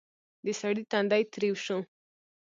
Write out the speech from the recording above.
د سړي تندی تريو شو: